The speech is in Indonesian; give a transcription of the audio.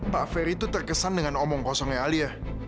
pak ferry itu terkesan dengan omong kosongnya alia